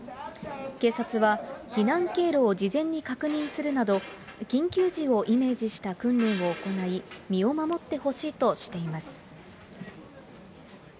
警察は避難経路を事前に確認するなど、緊急時をイメージした訓練を行い、身を守ってほしいとしています。